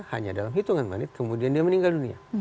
hanya dalam hitungan menit kemudian dia meninggal dunia